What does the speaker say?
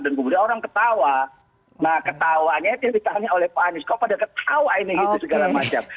kemudian orang ketawa nah ketawanya dia ditanya oleh pak anies kok pada ketawa ini gitu segala macam